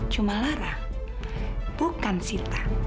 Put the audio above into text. cuma lara bukan sita